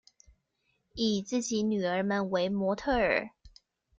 以自己女兒們為模特兒